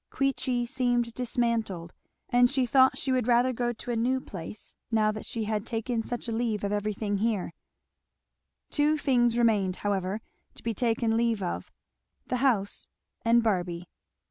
Queechy seemed dismantled, and she thought she would rather go to a new place now that she had taken such a leave of every thing here. Two things remained however to be taken leave of; the house and Barby.